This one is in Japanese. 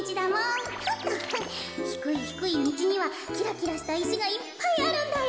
ひくいひくいみちにはきらきらしたいしがいっぱいあるんだよ。